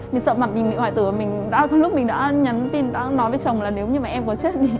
mình sợ mặt mình bị hoại tử và lúc mình đã nhắn tin đã nói với chồng là nếu như em có chết